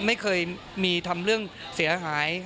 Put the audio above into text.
ไม่เคยมีทำเรื่องเสียหาย